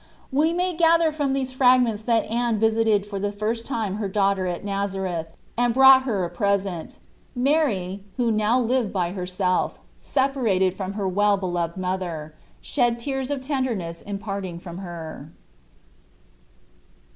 We may gather from these fragments that Anne visited for the first time her daughter at Nazareth, and brought her a present. Mary, who now lived by herself, separated from her well beloved mother, shed tears of tenderness in parting from her.